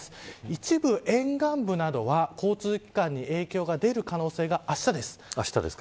一部、沿岸部などは交通機関に影響が出る可能性があしたです。